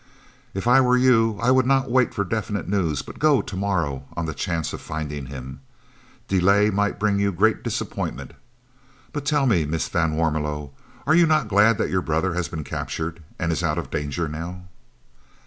"If I were you, I would not wait for definite news, but go to morrow on the chance of finding him. Delay might bring you great disappointment. But, tell me, Miss van Warmelo, are you not glad that your brother has been captured and is out of danger now?"